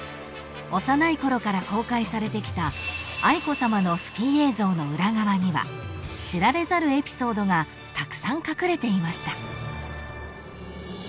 ［幼いころから公開されてきた愛子さまのスキー映像の裏側には知られざるエピソードがたくさん隠れていました］